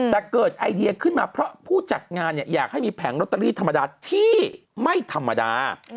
แต่เกิดไอเดียขึ้นมาเพราะผู้จัดงานอยากให้มีแผงลอตเตอรี่ธรรมดาที่ไม่ธรรมดา